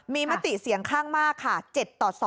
มีมติเสียงข้างมากค่ะ๗ต่อ๒